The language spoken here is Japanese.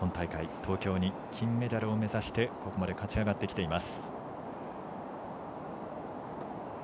東京に金メダルを目指してここまで勝ち上がってきています。